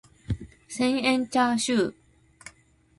千円チャーシュー